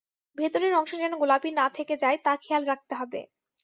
ভেতরের অংশ যেন গোলাপি না থেকে যায় তা খেয়াল রাখতে হবে।